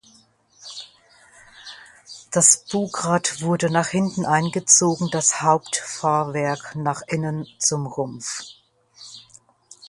Das Bugrad wurde nach hinten eingezogen, das Hauptfahrwerk nach innen zum Rumpf.